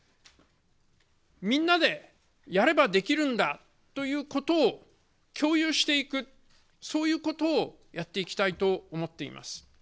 みんなでやればできるんだということを共有していく、そういうことをやっていきたいと思っています。